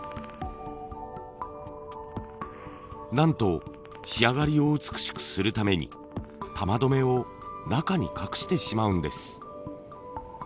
なんと仕上がりを美しくするために玉どめを中に隠してしまうんです。